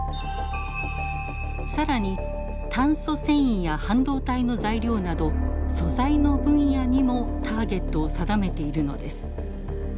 更に炭素繊維や半導体の材料など素材の分野にもターゲットを定めているのです。